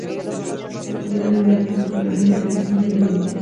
Se publicaron volantes con su imagen en el vecindario y en línea.